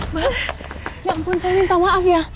maaf ya ampun saya minta maaf ya